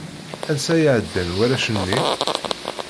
Ansa i ɛeddan warrac-nni?